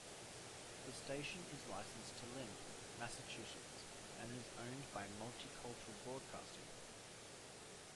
The station is licensed to Lynn, Massachusetts, and is owned by Multicultural Broadcasting.